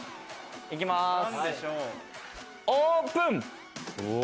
行きます、オープン！